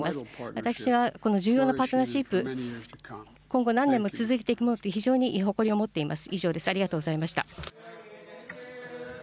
私はこの重要なパートナーシップ、今後何年も続いていくものと非常に誇りを持っています。